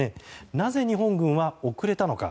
なぜ日本軍は遅れたのか。